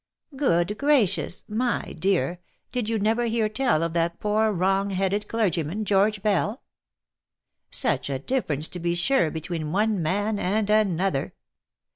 " Good gracious ! my dear, did you never hear tell of that poor wrong headed clergyman, George Bell ? Such a difference to be sure between one man and another.